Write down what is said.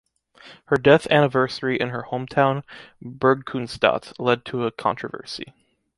Her death anniversary in her hometown Burgkunstadt led to a controversy.